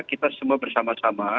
kita semua bersama sama